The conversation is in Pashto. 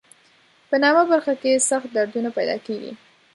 په نامه برخه کې سخت دردونه پیدا کېږي.